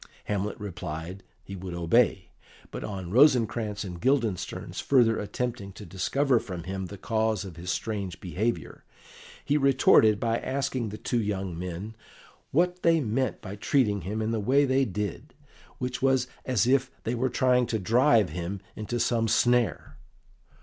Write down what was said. Hamlet replied he would obey, but on Rosencrantz and Guildenstern's further attempting to discover from him the cause of his strange behaviour, he retorted by asking the two young men what they meant by treating him in the way they did, which was as if they were trying to drive him into some snare.